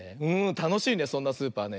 たのしいねそんなスーパーね。